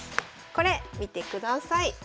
これ見てください。